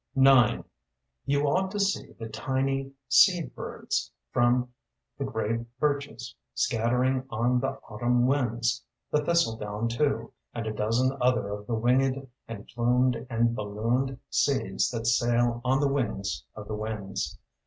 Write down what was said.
IX You ought to see the tiny seed “birds” from the gray birches, scattering on the autumn winds; the thistledown, too; and a dozen other of the winged, and plumed, and ballooned, seeds that sail on the wings of the winds.